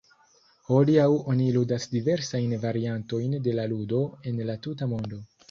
Hodiaŭ oni ludas diversajn variantojn de la ludo en la tuta mondo.